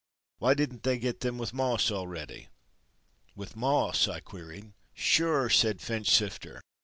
Why didn't they get them with moss already." "With moss?" I queried. "Sure!" said Finchsifter.